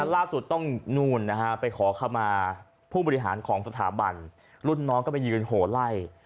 ล่าสุดต้องนู่นนะฮะไปขอขมาผู้บริหารของสถาบันรุ่นน้องก็ไปยืนโหไล่